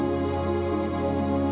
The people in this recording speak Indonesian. iya aramu yang penting mi